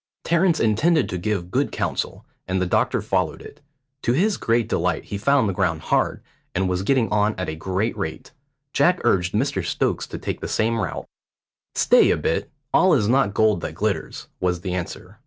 Terence intended to give good counsel, and the doctor followed it. To his great delight he found the ground hard, and was getting on at a great rate. Jack urged Mr Stokes to take the same route. "Stay a bit; all is not gold that glitters," was the answer.